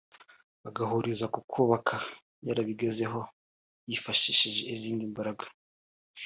bagahuriza ku kuba yarabigezeho yifashishije izindi mbaraga